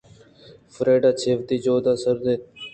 فریڈاچہ وتی جہہ ءَ سُر اِت